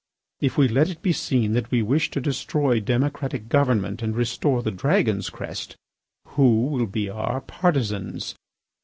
If we let it be seen that we wish to destroy democratic government and restore the Dragon's crest, who will be our partisans?